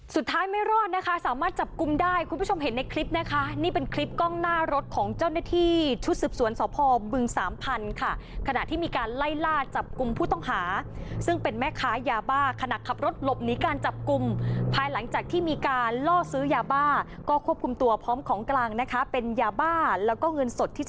สุดท้ายไม่รอดนะคะสามารถจับกลุ่มได้คุณผู้ชมเห็นในคลิปนะคะนี่เป็นคลิปกล้องหน้ารถของเจ้าหน้าที่ชุดสืบสวนสพบึงสามพันธุ์ค่ะขณะที่มีการไล่ล่าจับกลุ่มผู้ต้องหาซึ่งเป็นแม่ค้ายาบ้าขณะขับรถหลบหนีการจับกลุ่มภายหลังจากที่มีการล่อซื้อยาบ้าก็ควบคุมตัวพร้อมของกลางนะคะเป็นยาบ้าแล้วก็เงินสดที่